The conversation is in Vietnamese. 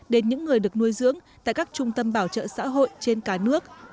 đến những người được nuôi dưỡng tại các trung tâm bảo trợ xã hội trên cả nước